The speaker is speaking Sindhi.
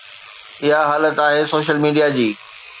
اها حالت آهي سوشل ميڊيا جي.